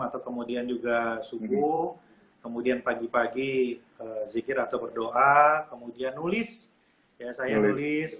atau kemudian juga subuh kemudian pagi pagi zikir atau berdoa kemudian nulis saya nulis